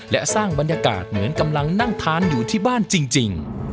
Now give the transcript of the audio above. และสร้างบรรยากาศเหมือนกำลังนั่งทานอยู่ที่บ้านจริง